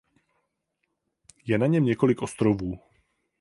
Je na něm několik ostrovů.